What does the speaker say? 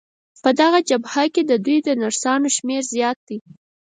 په دغه جبهه کې د دوی د نرسانو شمېر زیات دی.